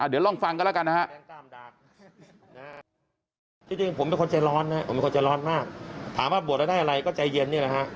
เดี๋ยวลองฟังกันละกัน